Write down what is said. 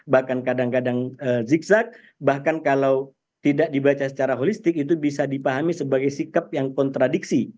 bahkan kadang kadang zigzag bahkan kalau tidak dibaca secara holistik itu bisa dipahami sebagai sikap yang kontradiksi